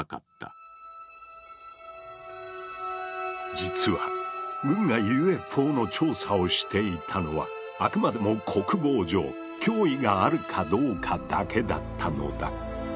実は軍がＵＦＯの調査をしていたのはあくまでも国防上脅威があるかどうかだけだったのだ。